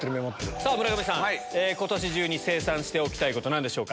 さあ、村上さん、ことし中に清算しておきたいこと、なんでしょうか。